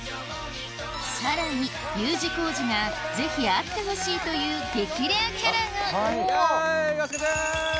さらにＵ字工事がぜひ会ってほしいという激レアキャラがイワシカちゃん！